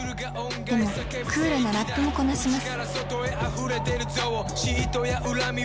でもクールなラップもこなします！